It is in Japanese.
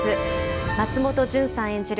松本潤さん演じる